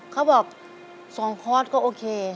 เขาบอก๒คอร์สก็โอเค